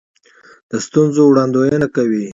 د ستونزو وړاندوینه کوي.